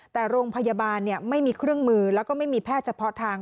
แต่โรงพยาบาลไม่มีเครื่องมือแล้วก็ไม่มีแพทย์เฉพาะทาง